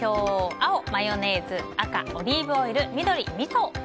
青、マヨネーズ赤、オリーブオイル緑、みそ。